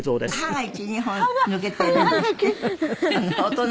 「はい」